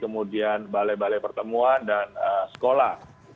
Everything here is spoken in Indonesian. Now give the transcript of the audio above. kemudian balai balai pertemuan dan sekolah